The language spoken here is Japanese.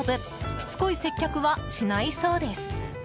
しつこい接客はしないそうです。